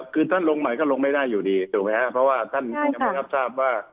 คือท่านลงใหม่ก็ลงไม่ได้อยู่ดีถูกไหมว่า